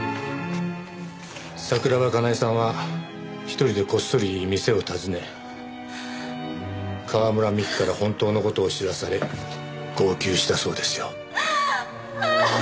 桜庭かなえさんは１人でこっそり店を訪ね川村美樹から本当の事を知らされ号泣したそうですよ。